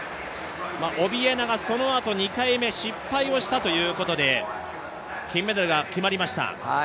オビエナがそのあと２回目、失敗をしたということで金メダルが決まりました。